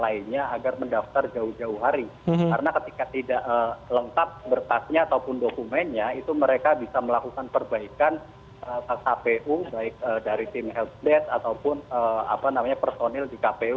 jadi mereka harus melakukan perbaikan kertas kpu dari tim health desk ataupun personil di kpu